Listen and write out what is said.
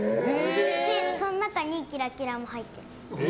その中にキラキラも入ってる。